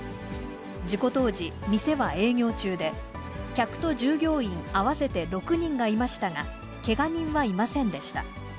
事故当時、店は営業中で、客と従業員合わせて６人がいましたが、けが人はいませんでした。